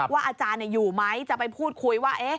อาจารย์อยู่ไหมจะไปพูดคุยว่า